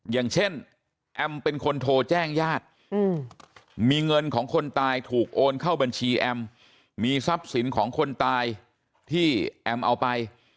อย่างเช่นแอมเป็นคนโทรแจ้งญาติมีเงินของคนตายถูกโอนเข้าบัญชีแอมมีทรัพย์สินของคนตายที่แอมเอาไป